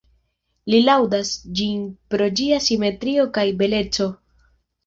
Li laŭdas ĝin pro ĝia simetrio kaj beleco.